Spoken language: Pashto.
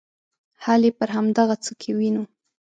حل یې پر همدغه څه کې وینو.